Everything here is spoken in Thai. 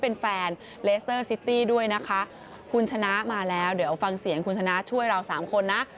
นะคะคุณชนะมาแล้วเดี๋ยวฟังเสียงคุณชนะช่วยเรา๓คนนะ